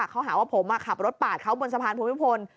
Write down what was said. เขาหาว่าผมขับรถปาดเขาบนสะพานภูมิพล